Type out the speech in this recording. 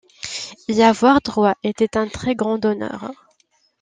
Y avoir droit était un très grand honneur.